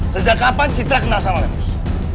sejak kapan citra kenal sama lemus